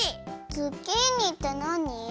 ズッキーニってなに？